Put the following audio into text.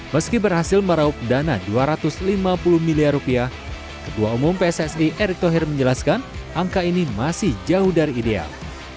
meski berhasil meraup dana dua ratus lima puluh miliar rupiah ketua umum pssi erick thohir menjelaskan angka ini masih jauh dari ideal